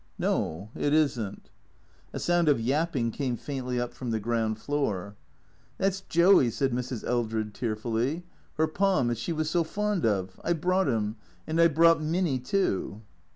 «No, it isn't." A sound of yapping came faintly up from the ground floor, "That's Joey," said Mrs. Eldred tearfully, " 'er Pom as she was so fond of. I 've brought 'im. And I 've brought Minny too."